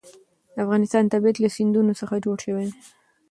د افغانستان طبیعت له سیندونه څخه جوړ شوی دی.